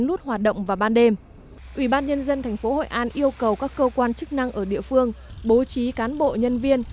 ủy ban nhân dân tp hội an yêu cầu các cơ quan chức năng ở địa phương bố trí cán bộ nhân viên